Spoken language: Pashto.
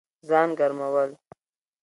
ځان ګرمول